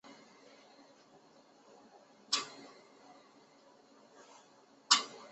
乾隆四十三年。